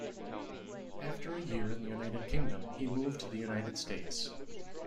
After a year in the United Kingdom, he moved to the United States.